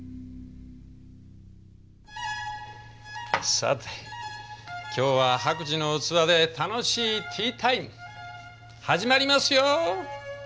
さて今日は白磁の器で楽しいティータイム始まりますよ。